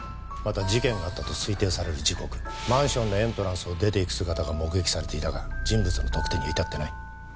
また事件があったと推定される時刻マンションのエントランスを出ていく姿が目撃されていたが人物の特定には至ってない。